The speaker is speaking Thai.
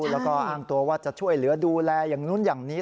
แล้วก็อ้างตัวว่าจะช่วยเหลือดูแลอย่างนู้นอย่างนี้